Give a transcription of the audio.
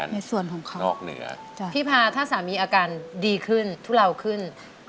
ในส่วนของเขานอกเหนือพี่พาถ้าสามีอาการดีขึ้นทุเลาขึ้น